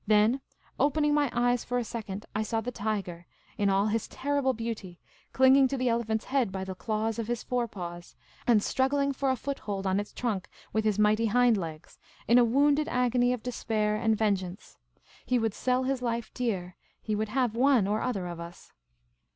Then, opening my eyes for a second, I saw the tiger, in all his terrible beauty, clinging to the elephant's head by the claws of his forepaws, and struggling for a foothold on its trunk with his mighty hind legs, in a wounded agony of despair and vengeance. He would sell his life dear ; he would have one or other of us.